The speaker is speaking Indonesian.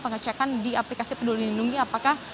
pengecekan di aplikasi peduli lindungi apakah